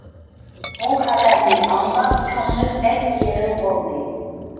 بۇ خەۋەرنى ئاڭلاپ كۆڭلۈم بەك يېرىم بولدى.